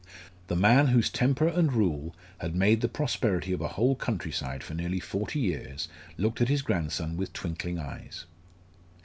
The man whose temper and rule had made the prosperity of a whole country side for nearly forty years, looked at his grandson with twinkling eyes.